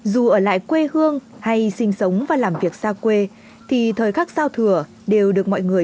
dù ở lại quê hương hay sinh sống và làm việc xa quê thì thời khắc giao thừa đều được mọi người